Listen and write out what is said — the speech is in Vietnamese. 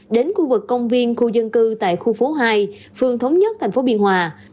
đến khu vực công viên khu dân cư tại khu phố hai phương thống nhất thành phố biên hòa